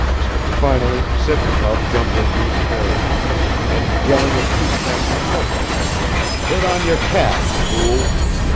Finally Sitnikov jumped into his carriage and yelling at two passing peasants, "Put on your caps, fools!"